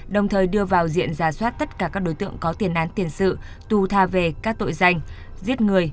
đồng thời đưa vào diện giả soát tất cả các đối tượng có tiền án tiền sự tù tha về các tội danh giết người